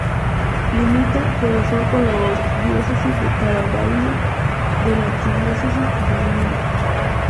Limita por el sur con la diócesis de Carabayllo de la Arquidiócesis de Lima.